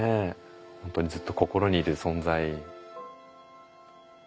本当にずっと心にいる存在。